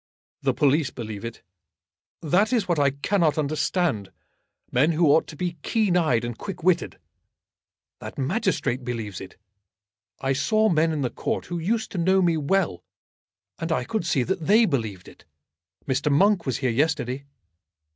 "The police believe it. That is what I cannot understand; men who ought to be keen eyed and quick witted. That magistrate believes it. I saw men in the Court who used to know me well, and I could see that they believed it. Mr. Monk was here yesterday."